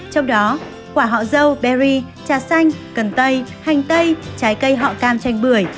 trong đó quả họ dâu berry trà xanh cần tây hành tây trái cây họ cam chanh bưởi